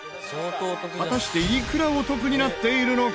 果たして、いくらお得になっているのか？